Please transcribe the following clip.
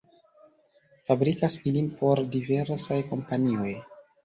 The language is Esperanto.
Fabrikas ilin por diversaj kompanioj.